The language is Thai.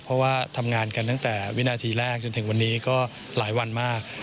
เพราะว่าทำงานกันตั้งแต่วินาทีแรกจนถึงวันนี้ก็หลายวันมาก